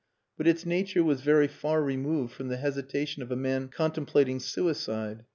But its nature was very far removed from the hesitation of a man contemplating suicide.